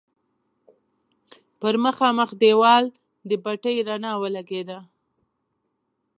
پر مخامخ دېوال د بتۍ رڼا ولګېده.